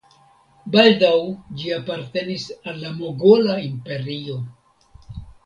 Baldaŭ ĝi apartenis al la Mogola Imperio.